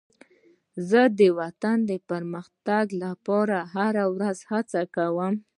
زه د وطن د پرمختګ لپاره هره ورځ هڅه کوم.